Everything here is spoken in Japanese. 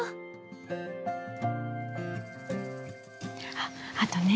あっあとね